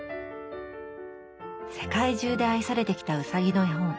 世界中で愛されてきたうさぎの絵本。